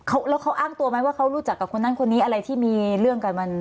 แล้วเขาอ้างตัวไหมว่าเขารู้จักกับคนนั้นคนนี้อะไรที่มีเรื่องกันมัน